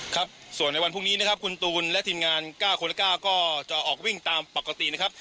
ครับส่วนในวันพรุ่งนี้นะครับคุณตูนและทีมงาน๙คนละ๙ก็จะออกวิ่งตามปกตินะครับ